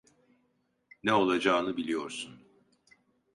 Ne olacağını biliyorsun.